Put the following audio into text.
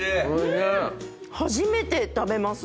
初めて食べます。